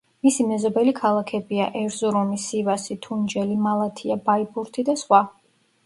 მისი მეზობელი ქალაქებია: ერზურუმი, სივასი, თუნჯელი, მალათია, ბაიბურთი და სხვა.